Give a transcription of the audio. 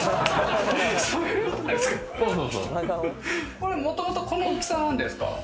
これ、元々この大きさなんですか？